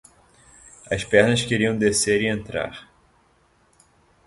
As pernas queriam descer e entrar.